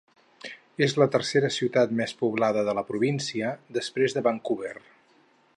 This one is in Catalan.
És la tercera ciutat més poblada de la província després de Vancouver.